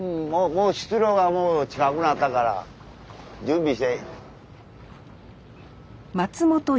もう出漁がもう近くなったから準備して。